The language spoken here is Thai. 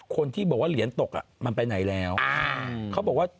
คนที่บอกว่าเหรียญตกอ่ะมันไปไหนแล้วเขาบอกว่า